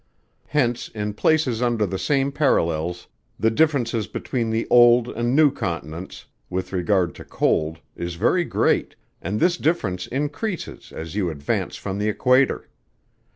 Hence in places under the same parallels, the differences between the old and new continents, with regard to cold, is very great, and this difference increases as you advance from the equator.